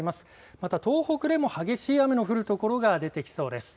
また東北でも激しい雨の降る所が出てきそうです。